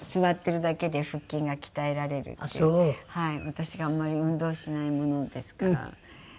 私があんまり運動をしないものですから。